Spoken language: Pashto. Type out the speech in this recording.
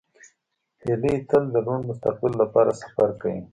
هیلۍ تل د روڼ مستقبل لپاره سفر کوي